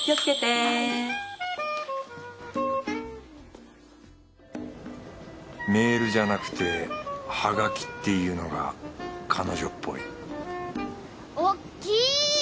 はいメールじゃなくてハガキっていうのが彼女っぽいおっきい。